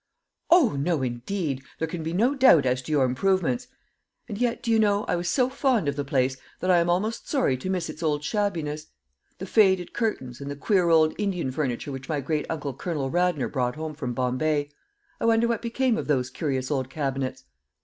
"O no, indeed. There can be no doubt as to your improvements. And yet, do you know, I was so fond of the place, that I am almost sorry to miss its old shabbiness the faded curtains, and the queer Indian furniture which my great uncle Colonel Radnor, brought home from Bombay. I wonder what became of those curious old cabinets?"